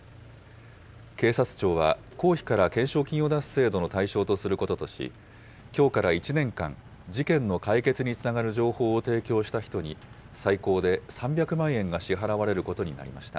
警察庁は、公費から懸賞金を出す制度の対象とすることとし、きょうから１年間、事件の解決につながる情報を提供した人に、最高で３００万円が支払われることになりました。